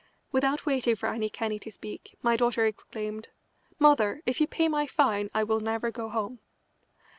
Without waiting for Annie Kenney to speak, my daughter exclaimed: "Mother, if you pay my fine I will never go home."